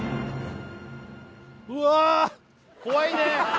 うわ怖いね